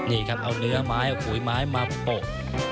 นี่ครับเอาเนื้อไม้เอาขุยไม้มาปก